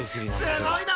すごいな！